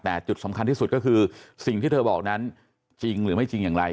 แต่จุดสำคัญที่สุดก็คือสิ่งที่เธอบอกนั้นจริงหรือไม่จริงอย่างไร